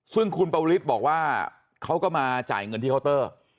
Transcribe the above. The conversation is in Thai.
ซึ่งคุณปวิทย์บอกว่าเขาก็มาจ่ายเงินที่เคาน์เตอร์